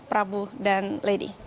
prabu dan lady